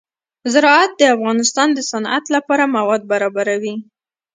زراعت د افغانستان د صنعت لپاره مواد برابروي.